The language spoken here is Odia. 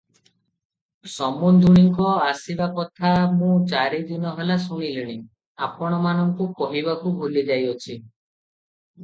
ସମୁନ୍ଧୁଣୀଙ୍କ ଆସିବା କଥା ମୁଁ ଚାରିଦିନ ହେଲା ଶୁଣଲିଣି, ଆପଣମାନଙ୍କୁ କହିବାକୁ ଭୁଲିଯାଇଅଛି ।